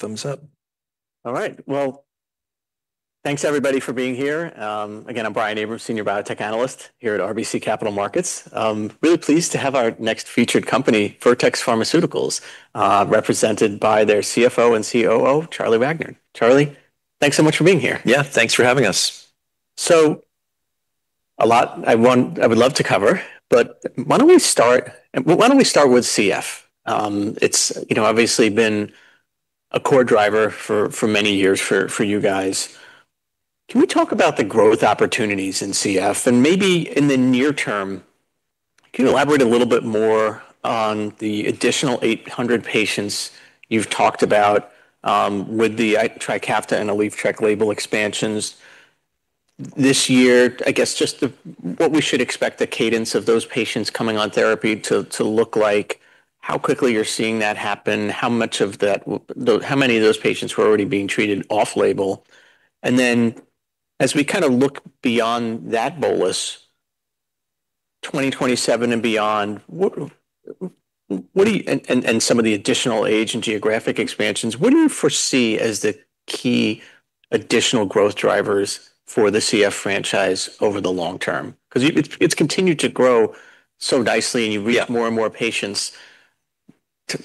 Thank you. Thumbs up. All right, well, thanks everybody for being here. Again, I'm Brian Abrahams, senior biotech analyst here at RBC Capital Markets. I'm really pleased to have our next featured company, Vertex Pharmaceuticals, represented by their CFO and COO, Charles Wagner. Charlie, thanks so much for being here. Yeah, thanks for having us. A lot I would love to cover, but why don't we start with CF? It's, you know, obviously been a core driver for many years for you guys. Can we talk about the growth opportunities in CF and maybe in the near term? Can you elaborate a little bit more on the additional 800 patients you've talked about with the TRIKAFTA and ALYFTREK label expansions this year? I guess what we should expect the cadence of those patients coming on therapy to look like, how quickly you're seeing that happen, how much of that will, how many of those patients were already being treated off-label. As we kinda look beyond that bolus, 2027 and beyond, and some of the additional age and geographic expansions, what do you foresee as the key additional growth drivers for the CF franchise over the long term? Yeah It continue to grow—More and more patients.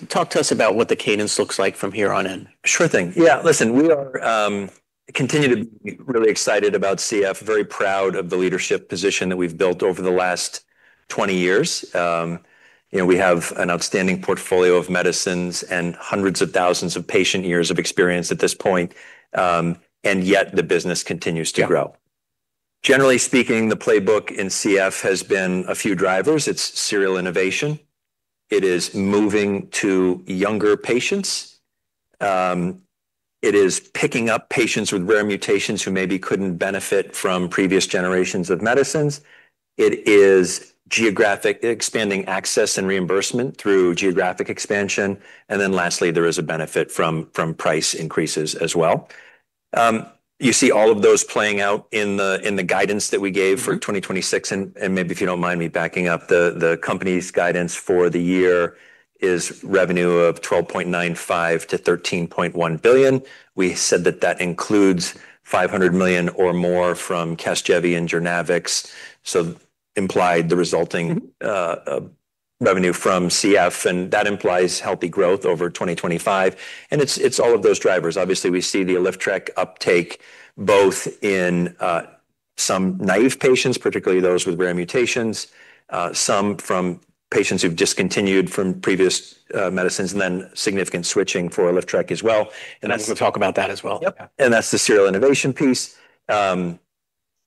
Talk to us about what the cadence looks like from here on in. Sure thing. Yeah. Listen, we are continue to be really excited about CF. Very proud of the leadership position that we've built over the last 20 years. You know, we have an outstanding portfolio of medicines and hundreds of thousands of patient years of experience at this point, yet the business continues to grow. Yeah. Generally speaking, the playbook in CF has been a few drivers. It's serial innovation. It is moving to younger patients. It is picking up patients with rare mutations who maybe couldn't benefit from previous generations of medicines. It is geographic expanding access and reimbursement through geographic expansion. Lastly, there is a benefit from price increases as well. You see all of those playing out in the guidance that we gave for 2026 and maybe if you don't mind me backing up, the company's guidance for the year is revenue of $12.95 billion-$13.1 billion. We said that that includes $500 million or more from CASGEVY and JOURNAVX. Revenue from CF, that implies healthy growth over 2025. It's all of those drivers. Obviously, we see the ALYFTREK uptake both in, some naive patients, particularly those with rare mutations, some from patients who've discontinued from previous, medicines, and then significant switching for ALYFTREK as well. We'll talk about that as well. Yep. Yeah. That's the serial innovation piece.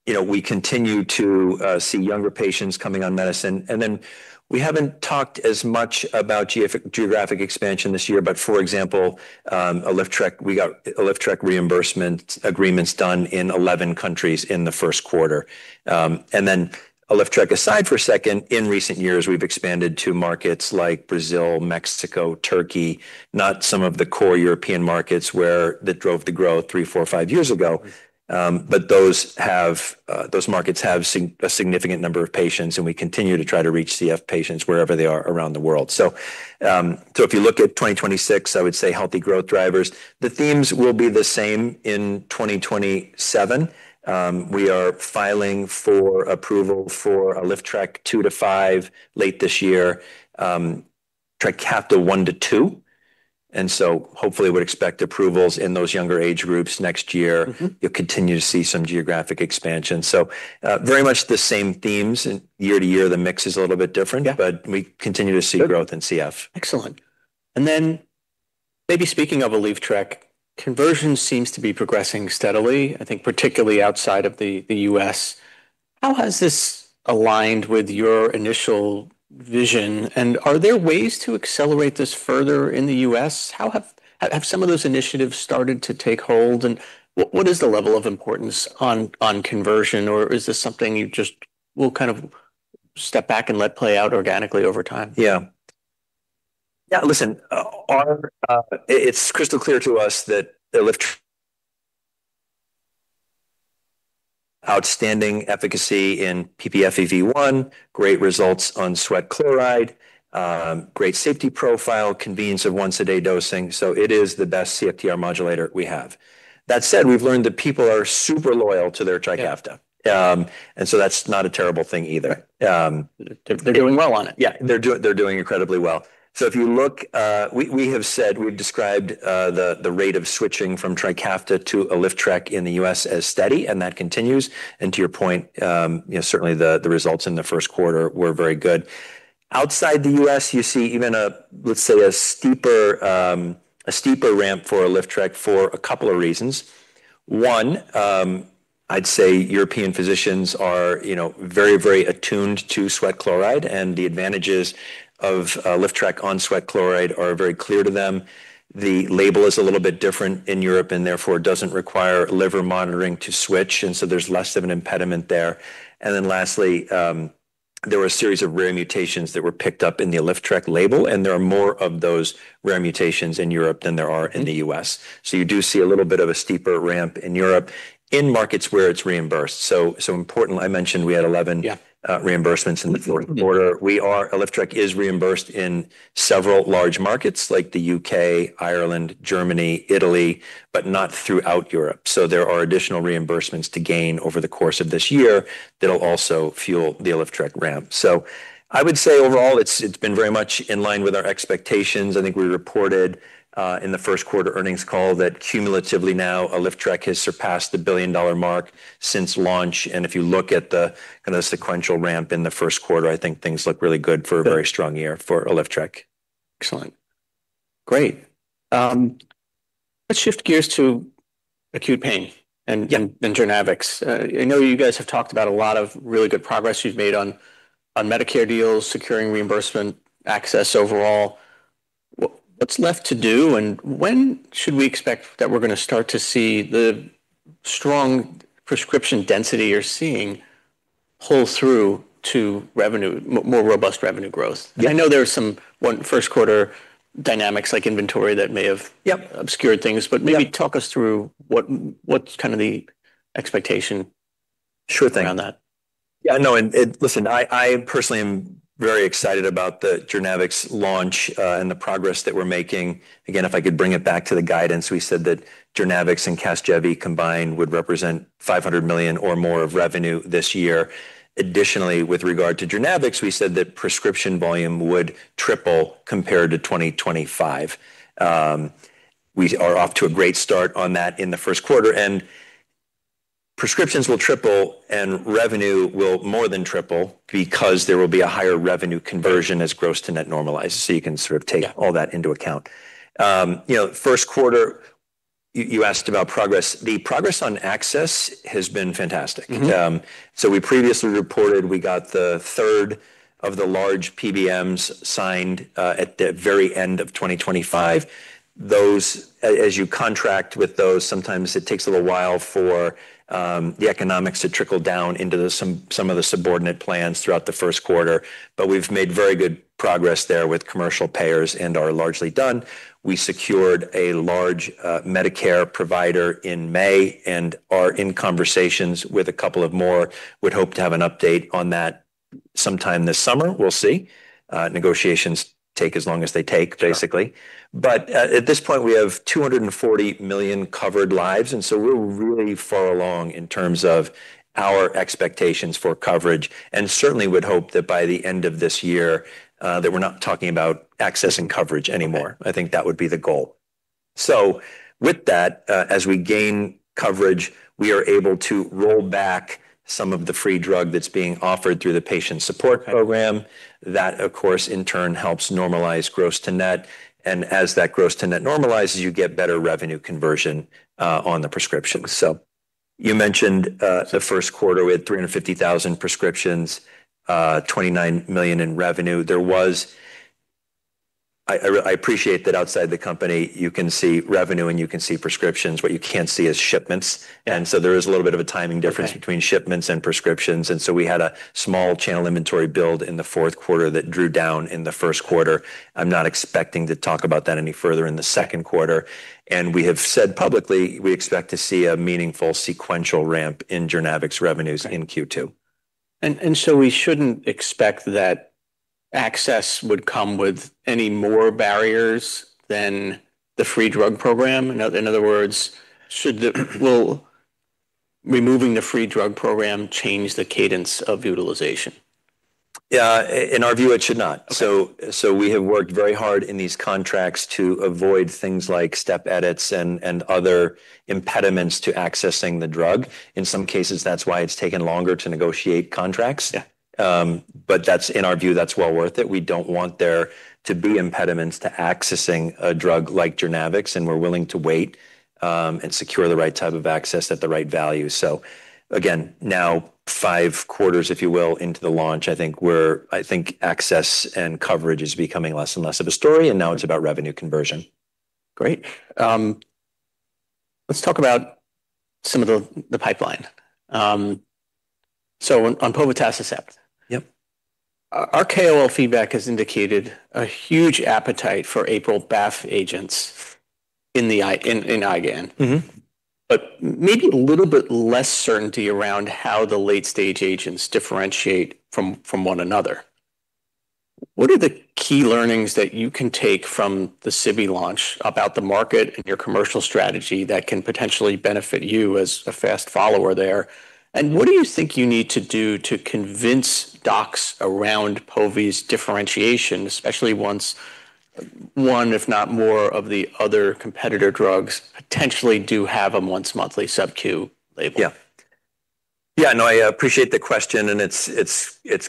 You know, we continue to see younger patients coming on medicine, and then we haven't talked as much about geographic expansion this year. For example, ALYFTREK, we got ALYFTREK reimbursement agreements done in 11 countries in the first quarter. Then ALYFTREK aside for a second, in recent years, we've expanded to markets like Brazil, Mexico, Turkey, not some of the core European markets where that drove the growth three, four, five years ago. But those have those markets have a significant number of patients, and we continue to try to reach CF patients wherever they are around the world. If you look at 2026, I would say healthy growth drivers. The themes will be the same in 2027. We are filing for approval for ALYFTREK two to five late this year, TRIKAFTA one to two, and so hopefully we'd expect approvals in those younger age groups next year. You'll continue to see some geographic expansion. Very much the same themes, and year to year, the mix is a little bit different. Yeah We continue to see growth in CF. Excellent. Then maybe speaking of ALYFTREK, conversion seems to be progressing steadily, I think particularly outside of the U.S. How has this aligned with your initial vision, and are there ways to accelerate this further in the U.S.? How have some of those initiatives started to take hold, and what is the level of importance on conversion, or is this something you just will kind of step back and let play out organically over time? Listen, our, it's crystal clear to us that ALYFTREK outstanding efficacy in ppFEV1, great results on sweat chloride, great safety profile, convenience of once-a-day dosing. It is the best CFTR modulator we have. That said, we've learned that people are super loyal to their TRIKAFTA. Yeah That's not a terrible thing either. They're doing well on it. Yeah, they're doing incredibly well. If you look, we have said, we've described the rate of switching from TRIKAFTA to ALYFTREK in the U.S. as steady, and that continues. To your point, you know, certainly the results in the first quarter were very good. Outside the U.S., you see even a, let's say, a steeper, a steeper ramp for ALYFTREK for a couple of reasons. One, I'd say European physicians are, you know, very attuned to sweat chloride, and the advantages of ALYFTREK on sweat chloride are very clear to them. The label is a little bit different in Europe, and therefore doesn't require liver monitoring to switch, and so there's less of an impediment there. Lastly, there were a series of rare mutations that were picked up in the ALYFTREK label, and there are more of those rare mutations in Europe than there are in the U.S. You do see a little bit of a steeper ramp in Europe in markets where it's reimbursed. Yeah So it important I mention we had 11 reimbursements in the fourth quarter. ALYFTREK is reimbursed in several large markets like the U.K., Ireland, Germany, Italy, but not throughout Europe. There are additional reimbursements to gain over the course of this year that'll also fuel the ALYFTREK ramp. I would say overall, it's been very much in line with our expectations. I think we reported in the first quarter earnings call that cumulatively now ALYFTREK has surpassed the $1 billion mark since launch. If you look at the sequential ramp in the first quarter, I think things look really good for a very strong year for ALYFTREK. Excellent. Great. Let's shift gears to acute pain and JOURNAVX. I know you guys have talked about a lot of really good progress you've made on Medicare deals, securing reimbursement, access overall. What's left to do, and when should we expect that we're gonna start to see the strong prescription density you're seeing pull through to revenue, more robust revenue growth? Yeah. I know there are some first quarter dynamics like inventory that may have. Yep Obscured things. Yep Talk us through what's kinda the expectation? Sure thing. On that. Yeah, no, listen, I personally am very excited about the JOURNAVX launch and the progress that we're making. Again, if I could bring it back to the guidance, we said that JOURNAVX and CASGEVY combined would represent $500 million or more of revenue this year. Additionally, with regard to JOURNAVX, we said that prescription volume would triple compared to 2025. We are off to a great start on that in the first quarter. Prescriptions will triple, and revenue will more than triple because there will be a higher revenue conversion as gross to net normalized. Yeah All that into account. You know, first quarter, you asked about progress. The progress on access has been fantastic. Yeah. We previously reported we got the third of the large PBMs signed at the very end of 2025. As you contract with those, sometimes it takes a little while for the economics to trickle down into some of the subordinate plans throughout the first quarter. We've made very good progress there with commercial payers and are largely done. We secured a large Medicare provider in May and are in conversations with a couple of more. Would hope to have an update on that sometime this summer. We'll see. Negotiations take as long as they take, basically. Sure. At this point, we have 240 million covered lives, we're really far along in terms of our expectations for coverage, and certainly would hope that by the end of this year, that we're not talking about access and coverage anymore. I think that would be the goal. With that, as we gain coverage, we are able to roll back some of the free drug that's being offered through the patient support program. That, of course, in turn helps normalize gross to net, and as that gross to net normalizes, you get better revenue conversion on the prescriptions. You mentioned, the first quarter, we had 350,000 prescriptions, $29 million in revenue. There was I appreciate that outside the company, you can see revenue, and you can see prescriptions. What you can't see is shipments. There is a little bit of a timing difference. Okay Between shipments and prescriptions, we had a small channel inventory build in the fourth quarter that drew down in the first quarter. I'm not expecting to talk about that any further in the second quarter. We have said publicly we expect to see a meaningful sequential ramp in JOURNAVX revenues in Q2. We shouldn't expect that access would come with any more barriers than the free drug program? In other words, will removing the free drug program change the cadence of utilization? Yeah. In our view, it should not. Okay. We have worked very hard in these contracts to avoid things like step edits and other impediments to accessing the drug. In some cases, that's why it's taken longer to negotiate contracts. Yeah. That's, in our view, that's well worth it. We don't want there to be impediments to accessing a drug like JOURNAVX, and we're willing to wait and secure the right type of access at the right value. Again, now five quarters, if you will, into the launch, I think access and coverage is becoming less and less of a story, and now it's about revenue conversion. Great. Let's talk about some of the pipeline. On povetacicept. Yep Our KOL feedback has indicated a huge appetite for APRIL-BAFF agents in IgAN. Maybe a little bit less certainty around how the late-stage agents differentiate from one another. What are the key learnings that you can take from the SEBI launch about the market and your commercial strategy that can potentially benefit you as a fast follower there? What do you think you need to do to convince docs around Povi's differentiation, especially once one, if not more, of the other competitor drugs potentially do have a once-monthly subQ label? Yeah. Yeah, no, I appreciate the question. It's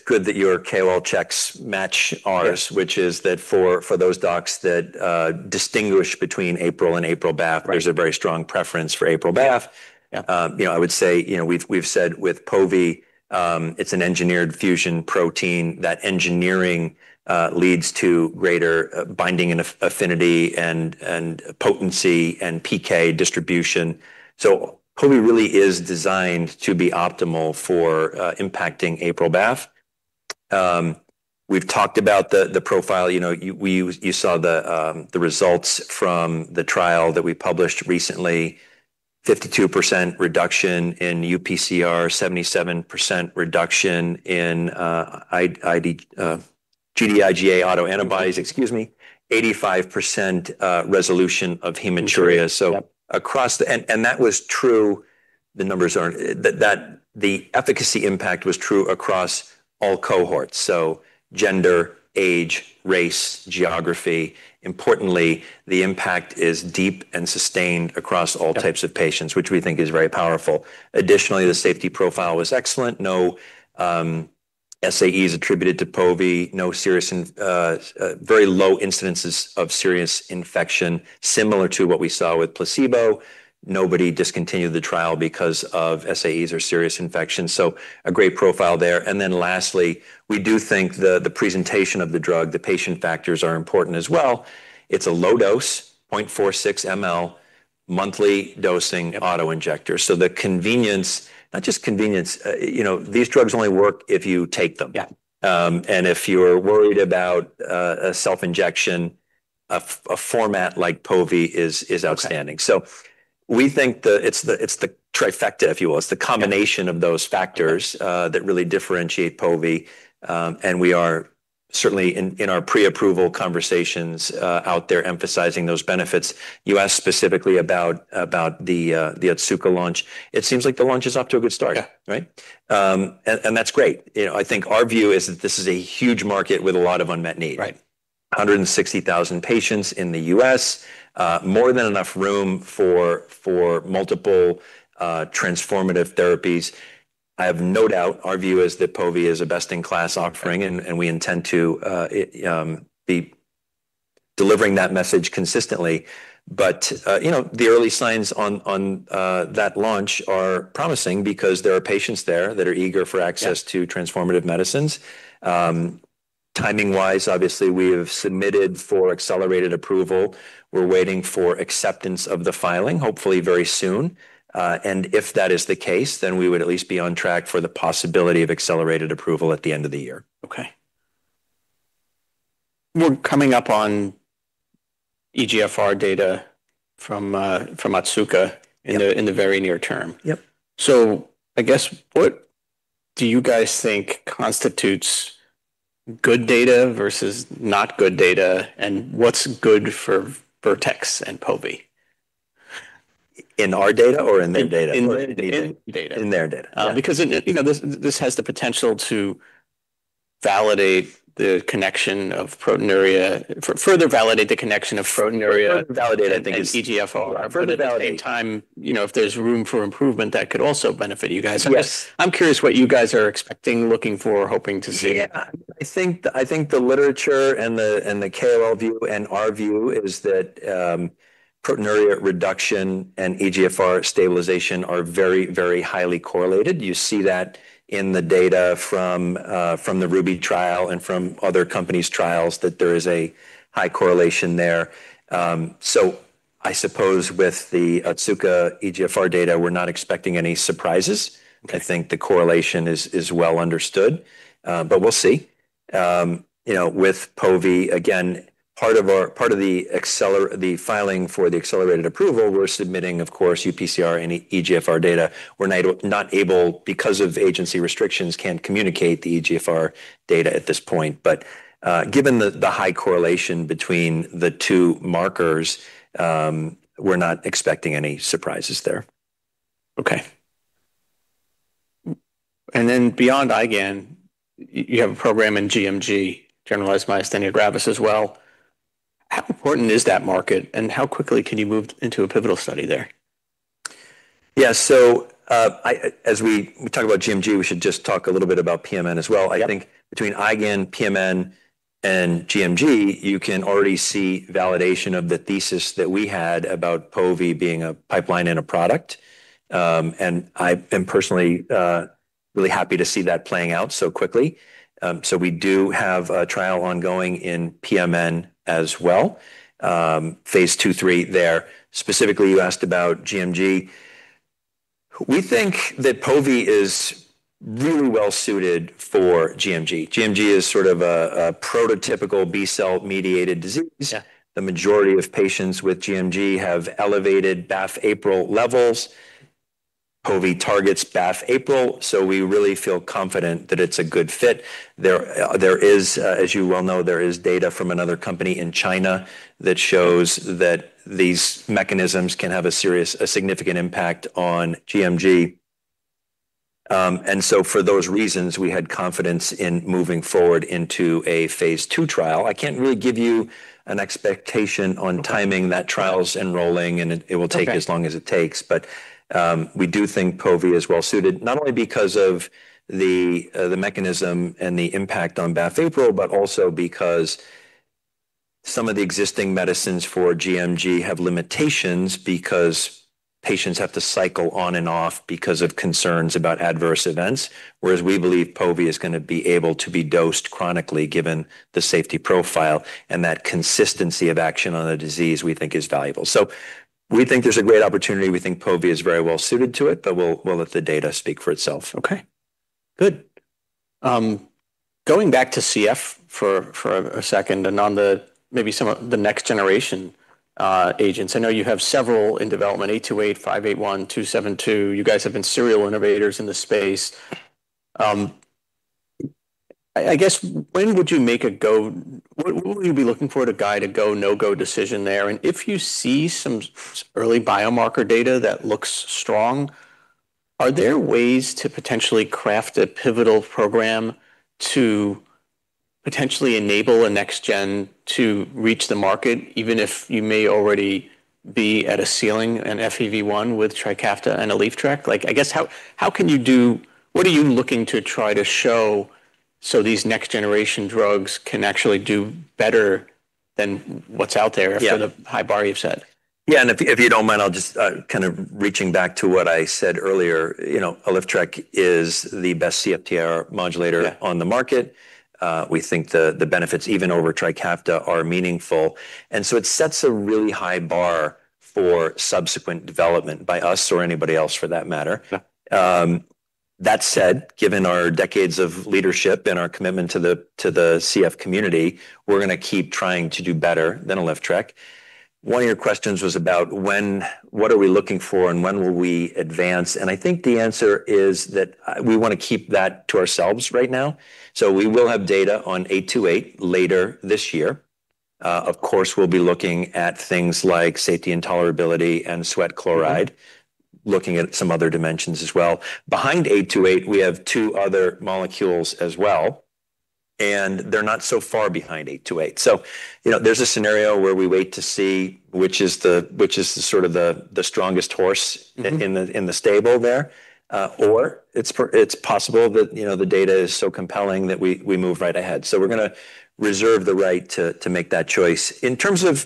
good that your KOL checks match ours. Yeah Which is that for those docs that distinguish between APRIL and APRIL-BAFF. Right There's a very strong preference for APRIL-BAFF. Yeah. You know, I would say, you know, we've said with Povi, it's an engineered fusion protein. That engineering leads to greater binding and affinity and potency and PK distribution. Povi really is designed to be optimal for impacting APRIL-BAFF. We've talked about the profile. You know, you saw the results from the trial that we published recently, 52% reduction in UPCR, 77% reduction in Gd-IgA1 autoantibodies, excuse me, 85% resolution of hematuria. Yep. That was true, the numbers are, that the efficacy impact was true across all cohorts, so gender, age, race, geography. Importantly, the impact is deep and sustained across all. Yeah Types of patients, which we think is very powerful. Additionally, the safety profile was excellent. No SAEs attributed to povetacicept, very low incidences of serious infection, similar to what we saw with placebo. Nobody discontinued the trial because of SAEs or serious infections, a great profile there. Lastly, we do think the presentation of the drug, the patient factors are important as well. It's a low dose, 0.46 ML monthly dosing auto-injector. The convenience, not just convenience, you know, these drugs only work if you take them. Yeah. If you're worried about a self-injection, a format like Povi is outstanding. Okay. We think it's the TRIKAFTA, if you will. Yeah. It's the combination of those factors. That really differentiate Povi, and we are certainly in our pre-approval conversations, out there emphasizing those benefits. You asked specifically about the Otsuka launch. It seems like the launch is off to a good start. Yeah. Right? That's great. You know, I think our view is that this is a huge market with a lot of unmet need. Right. 160,000 patients in the U.S., more than enough room for multiple transformative therapies. I have no doubt our view is that Povi is a best-in-class offering. We intend to be delivering that message consistently. You know, the early signs on that launch are promising because there are patients there that are eager for access. Yeah To transformative medicines. Timing-wise, obviously, we have submitted for accelerated approval. We're waiting for acceptance of the filing, hopefully very soon. If that is the case, then we would at least be on track for the possibility of accelerated approval at the end of the year. Okay. We're coming up on eGFR data from Otsuka. Yep In the very near term. Yep. I guess what do you guys think constitutes good data versus not good data, and what's good for Vertex and Povi? In our data or in their data? In data. In their data. You know, this has the potential to validate the connection of proteinuria, further validate the connection of proteinuria. Further validate. I think is eGFR. Further validate. At the same time, you know, if there's room for improvement, that could also benefit you guys. Yes. I'm curious what you guys are expecting, looking for, hoping to see. Yeah. I think the literature and the KOL view and our view is that proteinuria reduction and eGFR stabilization are very, very highly correlated. You see that in the data from the RUBY trial and from other companies' trials that there is a high correlation there. I suppose with the Otsuka eGFR data, we're not expecting any surprises. Okay. I think the correlation is well understood, but we'll see. You know, with Povi, again, part of the accelerated approval, we're submitting, of course, UPCR and eGFR data. We're not able, because of agency restrictions, can't communicate the eGFR data at this point. Given the high correlation between the two markers, we're not expecting any surprises there. Okay. Beyond IgAN, you have a program in GMG, generalized myasthenia gravis as well. How important is that market, how quickly can you move into a pivotal study there? Yeah. As we talk about GMG, we should just talk a little bit about PMN as well. Yeah. I think between IgAN, PMN, and GMG, you can already see validation of the thesis that we had about Povi being a pipeline and a product. I am personally really happy to see that playing out so quickly. We do have a trial ongoing in PMN as well, phase II/III there. Specifically, you asked about GMG. We think that Povi is really well-suited for GMG. GMG is sort of a prototypical B-cell-mediated disease. Yeah. The majority of patients with GMG have elevated BAFF/APRIL levels. Povi targets BAFF/APRIL, we really feel confident that it's a good fit. There is, as you well know, there is data from another company in China that shows that these mechanisms can have a serious, a significant impact on GMG. For those reasons, we had confidence in moving forward into a phase II trial. I can't really give you an expectation on timing. Okay. That trial's enrolling. Okay It will take as long as it takes. We do think Povi is well-suited, not only because of the mechanism and the impact on BAFF/APRIL, but also because some of the existing medicines for GMG have limitations because patients have to cycle on and off because of concerns about adverse events. Whereas we believe Povi is gonna be able to be dosed chronically given the safety profile, and that consistency of action on a disease we think is valuable. We think there's a great opportunity. We think Povi is very well-suited to it, but we'll let the data speak for itself. Okay. Good. Going back to CF for a second and on the maybe some of the next generation agents. I know you have several in development, VX-828, VX-581, VX-272. You guys have been serial innovators in the space. I guess when would you make a go—What would you be looking for to guide a go, no-go decision there? If you see some early biomarker data that looks strong, are there ways to potentially craft a pivotal program to potentially enable a next gen to reach the market, even if you may already be at a ceiling in FEV1 with TRIKAFTA and ALYFTREK? Like, I guess, how can you do What are you looking to try to show so these next generation drugs can actually do better than what's out there? Yeah For the high bar you've set? If you don't mind, I'll just kind of reaching back to what I said earlier. You know, ALYFTREK is the best CFTR modulator— Yeah On the market. We think the benefits even over TRIKAFTA are meaningful, and so it sets a really high bar for subsequent development by us or anybody else for that matter. Yeah. That said, given our decades of leadership and our commitment to the CF community, we're gonna keep trying to do better than ALYFTREK. One of your questions was about when what are we looking for and when will we advance. I think the answer is that we wanna keep that to ourselves right now. We will have data on VX-828 later this year. Of course, we'll be looking at things like safety and tolerability and sweat chloride. Looking at some other dimensions as well. Behind 828, we have two other molecules as well, and they're not so far behind 828. You know, there's a scenario where we wait to see which is the sort of the strongest in the stable there. It's possible that, you know, the data is so compelling that we move right ahead. We're gonna reserve the right to make that choice. In terms of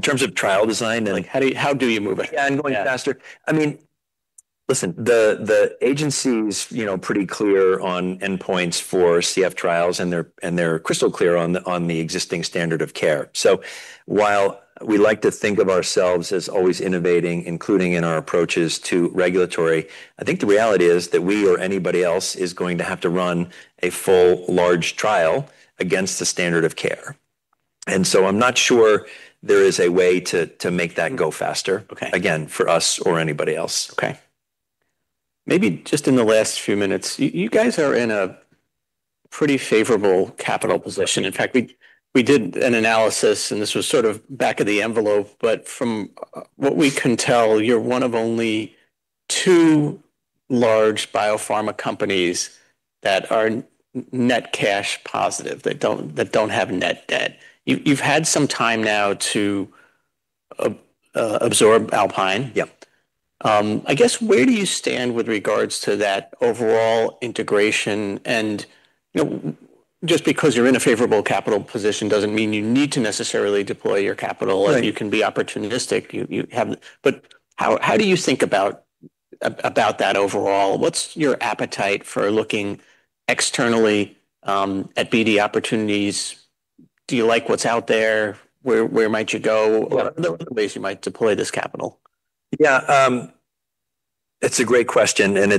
trial design and— Like, how do you move it? Yeah, going faster. Yeah. I mean, listen, the agency's, you know, pretty clear on endpoints for CF trials, and they're crystal clear on the existing standard of care. While we like to think of ourselves as always innovating, including in our approaches to regulatory, I think the reality is that we or anybody else is going to have to run a full large trial against the standard of care. I'm not sure there is a way to make that go faster. Okay Again, for us or anybody else. Maybe just in the last few minutes, you guys are in a pretty favorable capital position. We did an analysis, and this was sort of back of the envelope, but from what we can tell, you're one of only two large biopharma companies that are net cash positive, that don't have net debt. You've had some time now to absorb Alpine. Yeah. I guess where do you stand with regards to that overall integration? You know, just because you're in a favorable capital position doesn't mean you need to necessarily deploy your capital. Right. Like, you can be opportunistic. You have. How do you think about that overall? What's your appetite for looking externally at BD opportunities? Do you like what's out there? Where might you go? Yeah. The ways you might deploy this capital. Yeah. It's a great question, and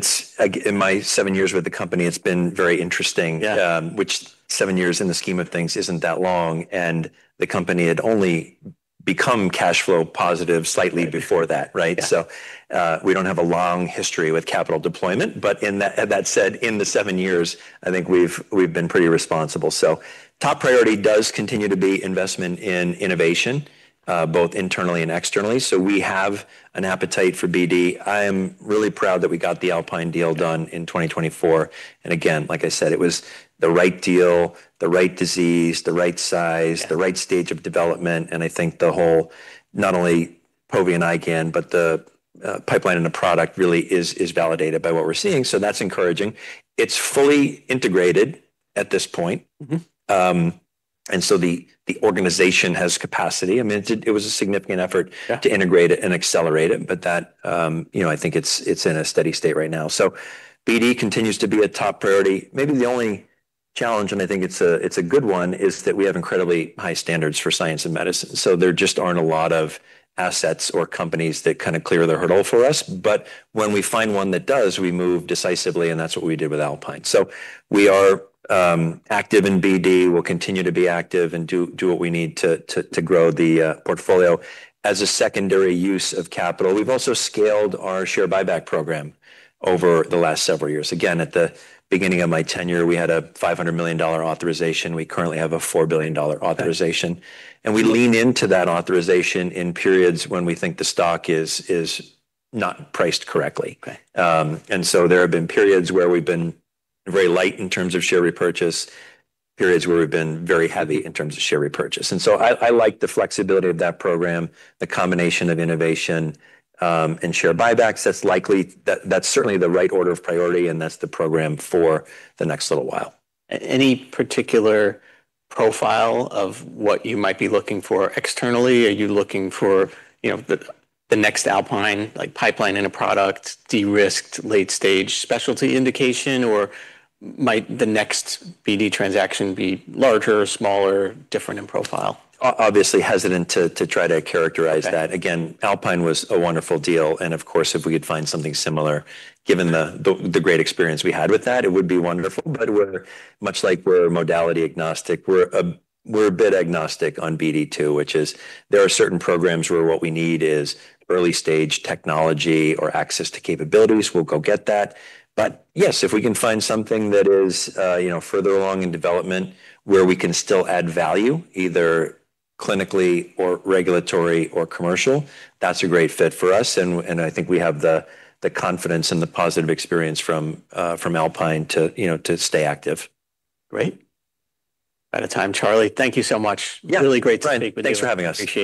in my seven years with the company, it's been very interesting. Yeah. Which seven years in the scheme of things isn't that long, and the company had only become cash flow positive slightly before that, right? Yeah. We don't have a long history with capital deployment, but that said, in the seven years, I think we've been pretty responsible. Top priority does continue to be investment in innovation, both internally and externally. We have an appetite for BD. I am really proud that we got the Alpine deal done in 2024. Again, like I said, it was the right deal, the right disease, the right size. Yeah The right stage of development, I think the whole, not only Povi and IgAN, but the pipeline and the product really is validated by what we're seeing. That's encouraging. It's fully integrated at this point. The organization has capacity. I mean, it was a significant effort. Yeah To integrate it and accelerate it. You know, I think it's in a steady state right now. BD continues to be a top priority. Maybe the only challenge, and I think it's a, it's a good one, is that we have incredibly high standards for science and medicine, so there just aren't a lot of assets or companies that kinda clear the hurdle for us. When we find one that does, we move decisively, and that's what we did with Alpine. We are active in BD. We'll continue to be active and do what we need to grow the portfolio. As a secondary use of capital, we've also scaled our share buyback program over the last several years. Again, at the beginning of my tenure, we had a $500 million authorization. We currently have a $4 billion authorization. Okay. We lean into that authorization in periods when we think the stock is not priced correctly. Okay. There have been periods where we've been very light in terms of share repurchase, periods where we've been very heavy in terms of share repurchase. I like the flexibility of that program, the combination of innovation and share buybacks. That's certainly the right order of priority, and that's the program for the next little while. Any particular profile of what you might be looking for externally? Are you looking for, you know, the next Alpine, like pipeline and a product de-risked late-stage specialty indication, or might the next BD transaction be larger or smaller, different in profile? Obviously hesitant to try to characterize that. Okay. Alpine was a wonderful deal, and of course, if we could find something similar, given the great experience we had with that, it would be wonderful. We're much like we're modality agnostic. We're a bit agnostic on BD too, which is there are certain programs where what we need is early stage technology or access to capabilities. We'll go get that. Yes, if we can find something that is, you know, further along in development where we can still add value, either clinically or regulatory or commercial, that's a great fit for us, and I think we have the confidence and the positive experience from Alpine to, you know, to stay active. Great. Out of time, Charlie. Thank you so much. Yeah. Really great to speak with you. Thanks for having us. Appreciate it.